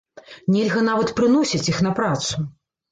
Нельга нават прыносіць іх на працу.